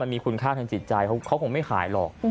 มีคุณค่าทางจิตใจเขาคงไม่ขายหรอก